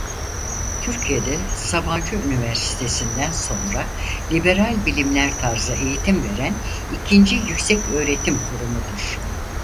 Türkiye'de Sabancı Üniversitesi'nden sonra liberal bilimler tarzı eğitim veren ikinci yükseköğretim kurumudur.